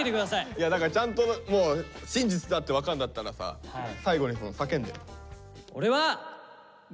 だからちゃんと真実だって分かんだったらさ最後に叫んで。